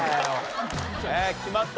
決まった？